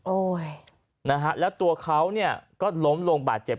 นะฮะแล้วตัวเขาเนี่ยก็ล้มลงบาดเจ็บ